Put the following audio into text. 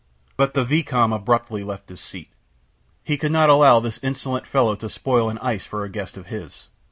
But the vicomte abruptly left his seat. He could not allow this insolent fellow to spoil an ice for a guest of his.